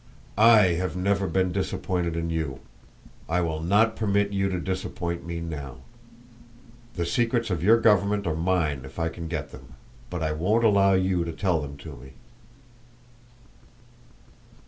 "I have never been disappointed in you. I will not permit you to disappoint me now. The secrets of your government are mine if I can get them but I won't allow you to tell them to me."